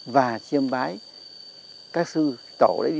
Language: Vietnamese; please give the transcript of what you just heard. và chiêm bái các sư tổ đấy đi